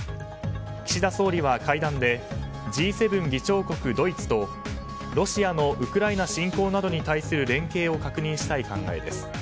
岸田総理は会談でＧ７議長国ドイツとロシアのウクライナ侵攻などに対する連携を確認したい考えです。